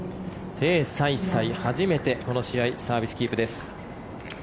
テイ・サイサイ、初めてこの試合サービスキープです。